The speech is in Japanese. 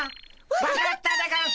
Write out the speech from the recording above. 分かったでゴンス！